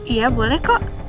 iya boleh kok